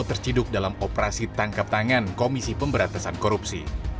terciduk dalam operasi tangkap tangan komisi pemberantasan korupsi